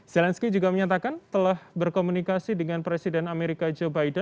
zelensky juga menyatakan telah berkomunikasi dengan presiden amerika joe biden